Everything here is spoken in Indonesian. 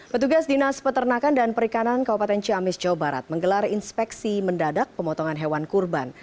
petugas dinas peternakan dan perikanan kabupaten ciamis jawa barat menggelar inspeksi mendadak pemotongan hewan kurban